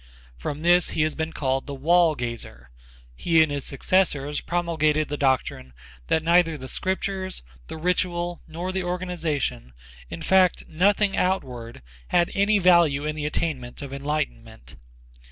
From this he has been called the "wall gazer." He and his successors promulgated the doctrine that neither the scriptures, the ritual nor the organization, in fact nothing outward had any value in the attainment of enlightenment.